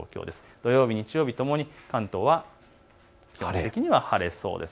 土曜日、日曜日ともに、関東は基本的に晴れそうです。